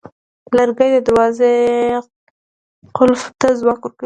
لرګی د دروازې قلف ته ځواک ورکوي.